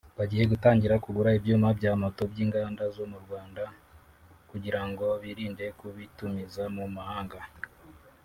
bagiye gutangira kugura ibyuma bya moto by’inganda zo mu Rwanda kugira ngo birinde kubitumiza mu mahanga